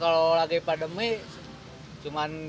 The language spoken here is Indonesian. kalau dulu kalau lagi pandemi cuman empat puluh tiga puluh